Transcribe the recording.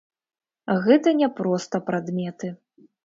Гэта не проста прадметы.